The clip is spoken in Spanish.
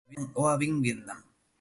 Habita en Hoa Binh Vietnam.